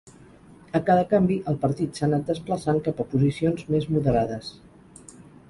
A cada canvi el partit s'ha anat desplaçant cap a posicions més moderades.